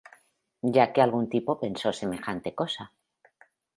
Ya que algún tipo pensó semejante cosa.